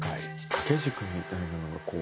掛け軸みたいなのが怖い。